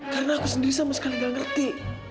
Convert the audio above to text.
karena aku sendiri sama sekali nggak ngerti